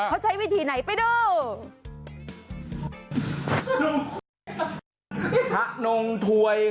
เขาใช้วิธีไหนไปดู